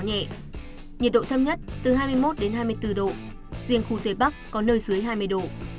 nhiệt độ thấp nhất từ hai mươi đến hai mươi ba độ vùng núi có nơi dưới hai mươi độ